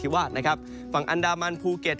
ว่านะครับฝั่งอันดามันภูเก็ต